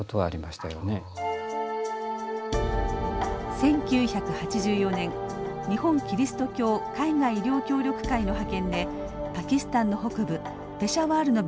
１９８４年日本キリスト教・海外医療協力会の派遣でパキスタンの北部ペシャワールの病院に赴任。